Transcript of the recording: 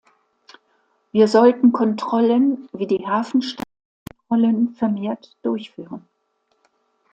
Wir sollten Kontrollen wie die Hafenstaatkontrollen vermehrt durchführen.